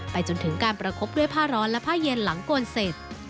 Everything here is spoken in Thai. จนถึงการประคบด้วยผ้าร้อนและผ้าเย็นหลังโกนเสร็จ